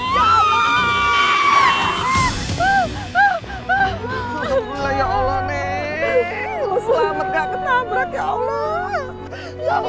ya allah nenek lo selamat gak ketabrak ya allah